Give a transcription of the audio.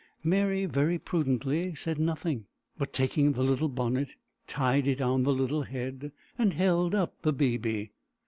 Mary very prudently said nothing, but taking the little bonnet, tied it on the little head, and held up the baby.